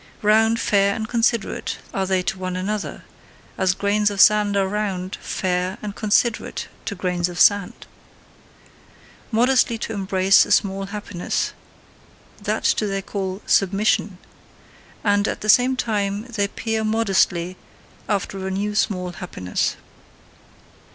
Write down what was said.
Round, fair, and considerate are they to one another, as grains of sand are round, fair, and considerate to grains of sand. Modestly to embrace a small happiness that do they call "submission"! and at the same time they peer modestly after a new small happiness.